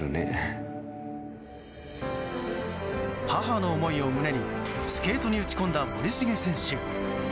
母の思いを胸にスケートに打ち込んだ森重選手。